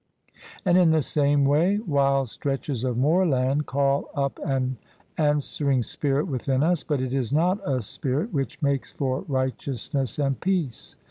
And in the same way wild stretches of moorland call up an answer ing spirit within us: but it is not a spirit which makes for righteousness and peace.